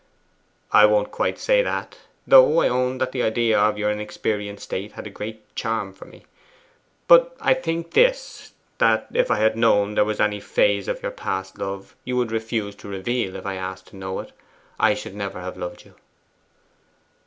'I won't quite say that. Though I own that the idea of your inexperienced state had a great charm for me. But I think this: that if I had known there was any phase of your past love you would refuse to reveal if I asked to know it, I should never have loved you.